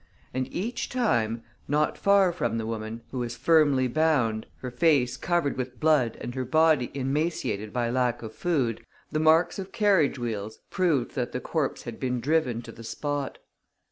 And each time, not far from the woman, who was firmly bound, her face covered with blood and her body emaciated by lack of food, the marks of carriage wheels proved that the corpse had been driven to the spot.